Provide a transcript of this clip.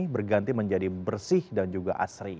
berganti menjadi bersih dan juga asri